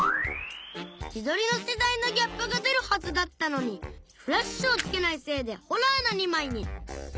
自撮りの世代のギャップが出るはずだったのにフラッシュをつけないせいでホラーな２枚に